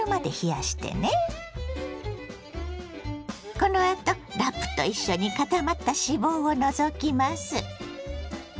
このあとラップと一緒に固まった脂肪を除きます。